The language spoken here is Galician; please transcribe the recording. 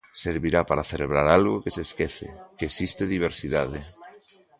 Servirá para celebrar algo que se esquece, que existe diversidade.